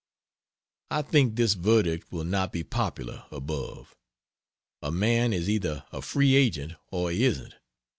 I think this verdict will not be popular "above." A man is either a free agent or he isn't.